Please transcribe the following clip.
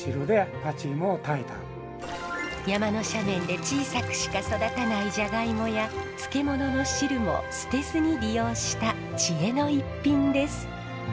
山の斜面で小さくしか育たないジャガイモや漬物の汁を捨てずに利用した知恵の逸品です。